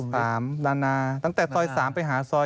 ซอย๓ดันนะตั้งแต่ซอย๓ไปหาซอย๒๑